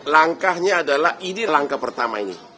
langkahnya adalah ini langkah pertama ini